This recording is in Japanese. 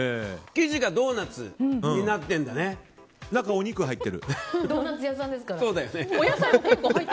生地がドーナツになってるんだねだって。